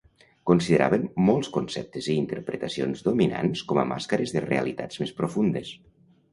Consideraven molts conceptes i interpretacions dominants com a màscares de realitats més profundes.